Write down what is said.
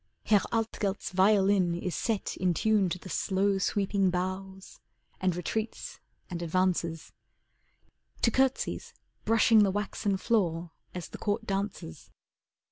Herr Altgelt's violin is set In tune to the slow, sweeping bows, and retreats and advances, To curtsies brushing the waxen floor as the Court dances.